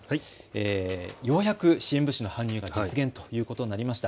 ようやく支援物資の搬入が実現ということになりました。